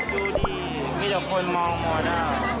ดูดิมีเดี๋ยวคนมองหมดอ่ะ